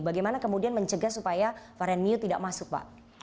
bagaimana kemudian mencegah supaya varian mu tidak masuk pak